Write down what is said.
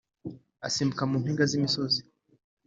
asimbuka mu mpinga z’imisozi,